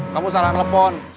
kamu salah nelfon